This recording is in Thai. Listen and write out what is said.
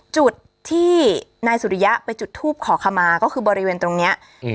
จุดที่นายสุริยะไปจุดทูปขอขมาก็คือบริเวณตรงเนี้ยอืม